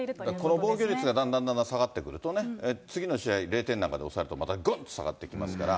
この防御率がだんだんだんだん下がってくるとね、次の試合、０点なんかで抑えると、またぐんと下がってきますから。